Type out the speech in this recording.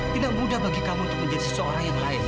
tidak mudah bagi kamu untuk menjadi seseorang yang lain